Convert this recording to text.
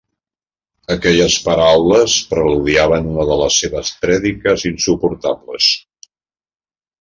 Aquelles paraules preludiaven una de les seves prèdiques insuportables.